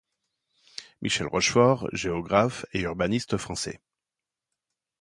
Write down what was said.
Michel Rochefort, géographe et urbaniste français.